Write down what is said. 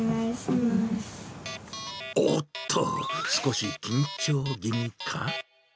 おっと、少し緊張気味か。